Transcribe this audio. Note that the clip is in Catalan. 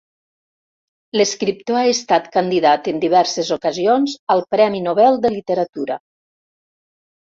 L'escriptor ha estat candidat en diverses ocasions al Premi Nobel de Literatura.